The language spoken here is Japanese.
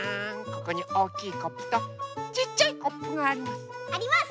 ここにおおきいコップとちっちゃいコップがあります。